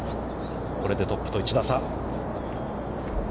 これでトップと１打差。